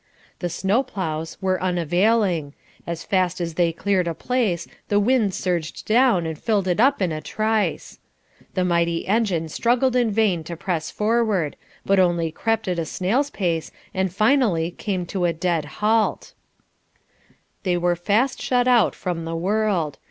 The snow ploughs were unavailing; as fast as they cleared a space the wind surged down and filled it up in a trice. The mighty engine struggled in vain to press forward, but only crept at snail's pace and finally came to a dead halt. There they were fast shut out from the world.